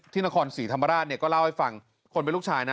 นครศรีธรรมราชเนี่ยก็เล่าให้ฟังคนเป็นลูกชายนะ